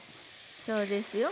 そうですよ。